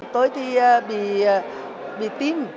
tôi thì bị tim